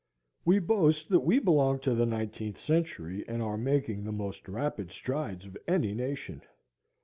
We boast that we belong to the nineteenth century and are making the most rapid strides of any nation.